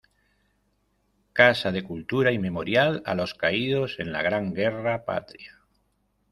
Casa de cultura y memorial a los caídos en la Gran Guerra Patria.